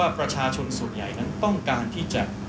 ประชาชนส่วนใหญ่นั้นต้องการที่จะ